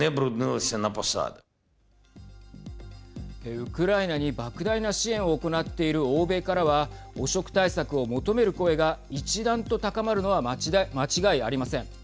ウクライナにばく大な支援を行っている欧米からは汚職対策を求める声が一段と高まるのは間違いありません。